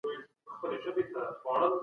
د علماوو لارښووني د ټولني د پرمختګ لامل کیږي.